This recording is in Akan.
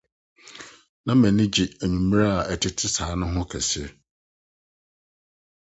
Na m’ani gye anwummere a ɛtete saa no ho kɛse!